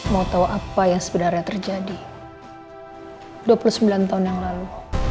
mau tahu apa yang sebenarnya terjadi dua puluh sembilan tahun yang lalu